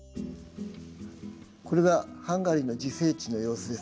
これがハンガリーの自生地の様子です。